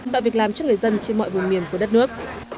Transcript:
tạo việc làm cho người dân trên mọi vùng miền của đất nước